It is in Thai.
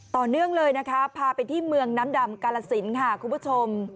ต่อเนื่องเลยนะคะพาไปที่เมืองน้ำดำกาลสินค่ะคุณผู้ชม